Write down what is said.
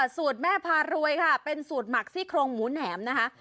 สูตรแม่พารวยค่ะเป็นสูตรหมักซี่โครงหมูแหนมนะคะ